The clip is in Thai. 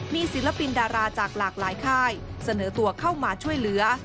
มีศิลปินดาราจากหลากหลายค่ายเสนอตัวเข้ามาช่วยเหลือ